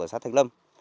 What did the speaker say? ở xã thạch lâm